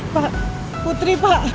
pak putri pak